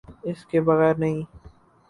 اس کے بغیر نہیں۔